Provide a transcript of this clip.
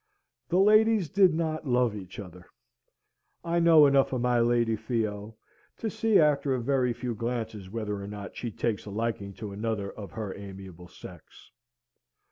The ladies did not love each other. I know enough of my Lady Theo, to see after a very few glances whether or not she takes a liking to another of her amiable sex.